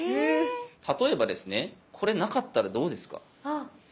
例えばですねこれなかったらどうですか？